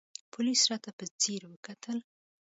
پوليس راته په ځير وکتل.